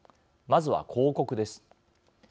まずは広告です。